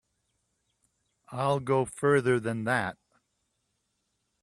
I'll go further than that.